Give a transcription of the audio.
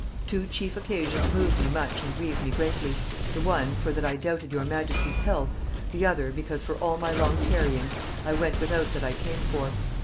Two chief occasions moved me much and grieved me greatly: the one, for that I doubted your majesty's health; the other, because for all my long tarrying, I went without that I came for.